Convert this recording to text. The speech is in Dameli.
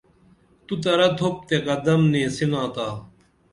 تو ترَہ تُھوپ تے قدم نیسِناتا